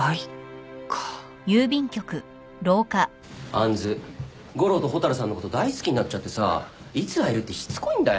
杏悟郎と蛍さんのこと大好きになっちゃってさいつ会える？ってしつこいんだよ。